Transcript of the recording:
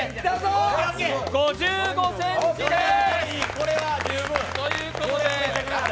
５５ｃｍでーす。